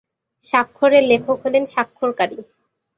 স্বাক্ষরের লেখক হলেন স্বাক্ষরকারী।